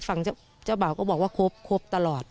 ฝั่งเจ้าบ่าวก็บอกว่าครบครบตลอด